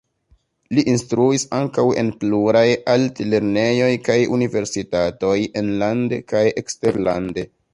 Li instruis ankaŭ en pluraj altlernejoj kaj universitatoj enlande kaj eksterlande.